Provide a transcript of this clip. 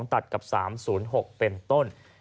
ตัดกับ๓๐๖เป็นต้น